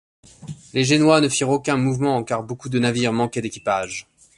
Les Génois ne firent aucun mouvement car beaucoup de navires manquaient d'équipages.